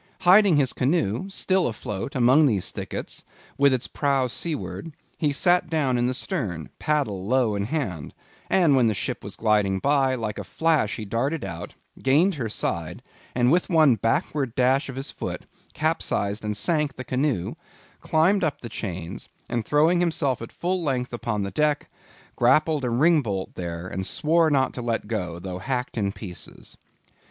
Hiding his canoe, still afloat, among these thickets, with its prow seaward, he sat down in the stern, paddle low in hand; and when the ship was gliding by, like a flash he darted out; gained her side; with one backward dash of his foot capsized and sank his canoe; climbed up the chains; and throwing himself at full length upon the deck, grappled a ring bolt there, and swore not to let it go, though hacked in pieces.